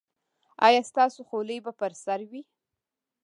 ایا ستاسو خولۍ به پر سر وي؟